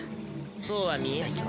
そうは見えないけど。